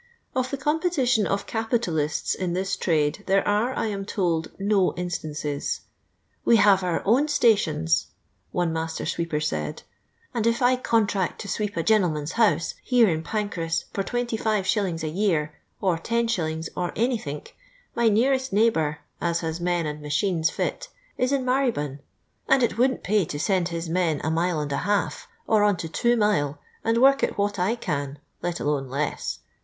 Of the competition of capitalists in this trade there are, I am told, no instances. " "NVe have our own statioDS, one master sweeper said, " and if I contract to sweep a genelman's house, here in Pancras, for 25.<. a year, or IOjt., or anythink, my nearest neighbour, as has men and machines fit, is in Marrybnn ; and it wouldn't pay to send his men a mile and a half, or on to two mile, and work at what I can — ^let alone less.